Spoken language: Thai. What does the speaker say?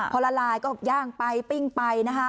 พอละลายก็ย่างไปปิ้งไปนะคะ